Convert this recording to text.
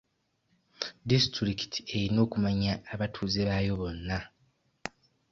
Disitulikiti erina okumanya abatuuze baayo bonna.